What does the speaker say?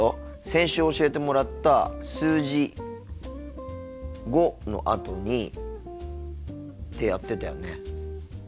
先週教えてもらった数字「５」のあとにってやってたよね。